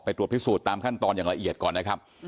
ตรวจพิสูจน์ตามขั้นตอนอย่างละเอียดก่อนนะครับ